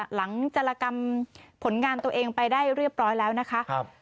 จรกรรมผลงานตัวเองไปได้เรียบร้อยแล้วนะคะ